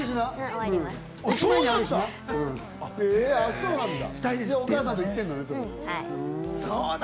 そうなんだ。